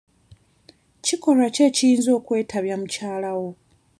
Kikolwa ki ekiyinza okkwetabya mukyala wo.